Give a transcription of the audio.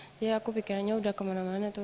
jadi aku pikirannya udah kemana mana tuh